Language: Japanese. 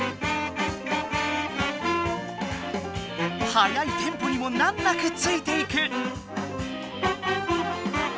速いテンポにも難なくついていく。